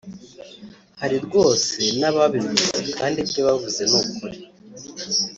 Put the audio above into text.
hari rwose n’ababivuze kandi ibyo bavuze ni ukuri